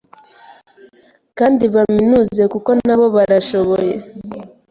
kandi baminuze kuko na bo barashoboye.